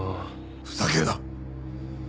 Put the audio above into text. ふざけるな！